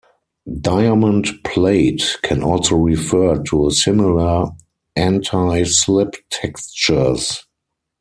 "Diamond plate" can also refer to similar anti-slip textures.